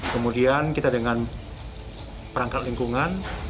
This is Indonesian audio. kemudian kita dengan perangkat lingkungan